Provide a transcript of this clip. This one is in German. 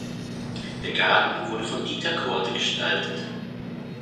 Der Garten wurde von Dieter Korte gestaltet.